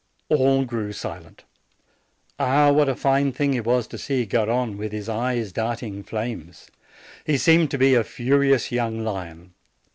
All grew silent. Ah, what a fine thing it was to see Garrone, with his eyes darting flames ! He seemed to be a furious young lion.